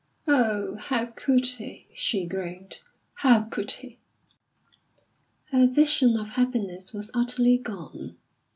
"Oh, how could he!" she groaned. "How could he!" Her vision of happiness was utterly gone.